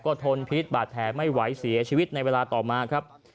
ก็ทนผิดบาดแท้ไม่ไหวเสียชีวิตในเวลาต่อมา